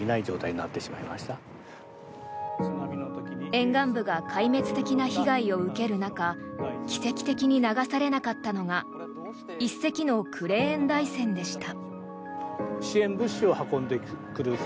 沿岸部が壊滅的な被害を受ける中奇跡的に流されなかったのが１隻のクレーン台船でした。